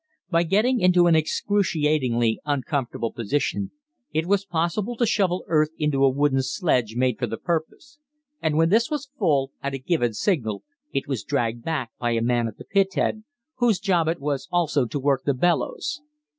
By getting into an excruciatingly uncomfortable position, it was possible to shovel earth into a wooden sledge made for the purpose, and when this was full, at a given signal it was dragged back by a man at the pit head, whose job it was also to work the bellows.